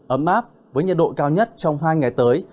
ấm áp với nhiệt độ cao nhất trong hai ngày tới